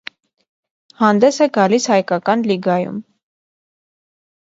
Հանդես է գալիս հայկական լիգայում։